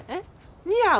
似合う？